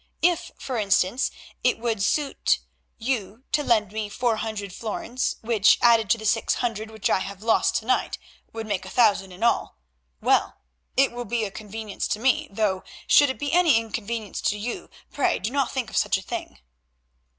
If, for instance, it would suit you to lend me four hundred florins, which, added to the six hundred which I have lost to night, would make a thousand in all, well, it will be a convenience to me, though should it be any inconvenience to you, pray do not think of such a thing."